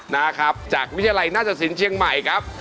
นะครับจากวิทยาลัยหน้าตสินเชียงใหม่ครับ